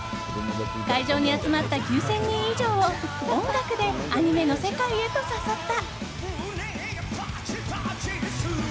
会場に集まった９０００人以上を音楽でアニメの世界へと誘った。